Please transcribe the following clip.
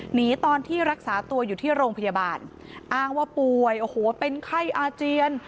หนีตอนที่รักษาตัวอยู่ที่โรงพยาบาลอ้างว่าป่วยโอ้โหเป็นไข้อาเจียน